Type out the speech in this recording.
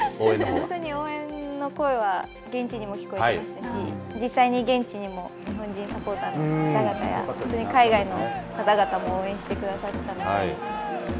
本当に応援の声は、現地でも聞こえていましたし、実際に現地にも日本人サポーターの方々や、海外の方々も応援してくださったので。